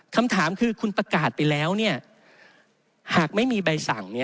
คำถามคือคุณประกาศไปแล้วหากไม่มีใบสั่ง